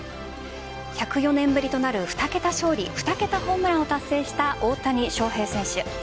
１０４年ぶりとなる２桁勝利、２桁ホームランを達成した大谷翔平選手。